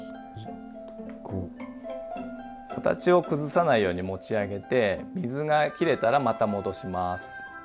形を崩さないように持ち上げて水がきれたらまた戻します。